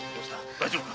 大丈夫か。